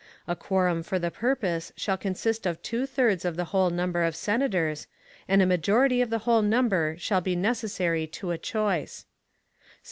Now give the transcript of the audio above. A quorum for the purpose shall consist of two thirds of the whole number of Senators, and a majority of the whole number shall be necessary to a choice.